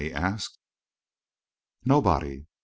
he asked. "Nobody."